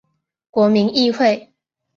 国民议会。